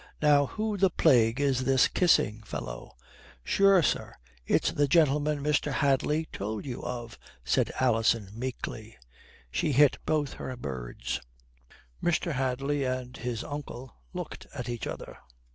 "Now who the plague is this kissing fellow?" "Sure, sir, it's the gentleman Mr. Hadley told you of," said Alison meekly. She hit both her birds. Mr. Hadley and his uncle looked at each other.